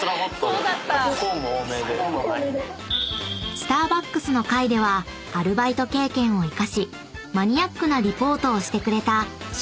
［スターバックスの回ではアルバイト経験を生かしマニアックなリポートをしてくれた許豊凡君と］